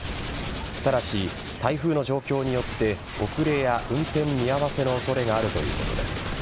ただし、台風の状況によって遅れや運転見合わせの恐れがあるということです。